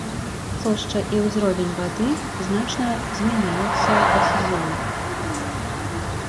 Плошча і ўзровень вады значна змяняюцца па сезонах.